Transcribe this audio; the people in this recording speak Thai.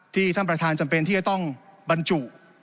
ท่านประธานจำเป็นที่จะต้องบรรจุ